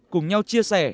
cùng nhau chia sẻ